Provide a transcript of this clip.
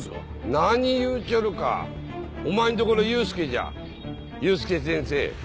何言うちょるかお前んとこの祐介じゃ祐介先生。